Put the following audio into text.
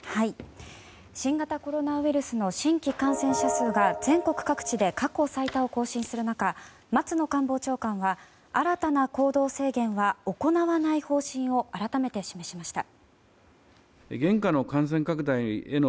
新型コロナウイルスの新規感染者数が全国各地で過去最多を更新する中松野官房長官は新たな行動制限は行わない方針を改めて示しました。